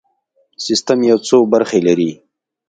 سیستم یو څو برخې لري.